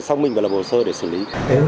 sau mình và lập hồ sơ để xử lý